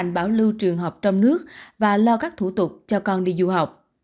ông thắng đã bảo lưu trường học trong nước và lo các thủ tục cho con đi du học